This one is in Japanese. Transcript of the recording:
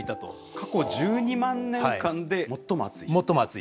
過去１２万年間で最も暑い？